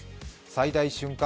最大瞬間